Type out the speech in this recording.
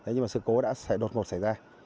nhưng mà sự cố đã đột ngột xảy ra